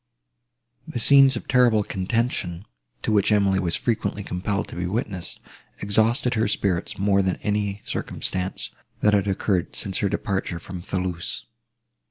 The scenes of terrible contention, to which Emily was frequently compelled to be witness, exhausted her spirits more than any circumstances, that had occurred since her departure from Thoulouse.